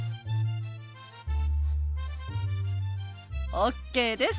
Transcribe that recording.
ＯＫです！